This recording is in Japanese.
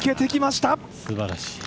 すばらしい。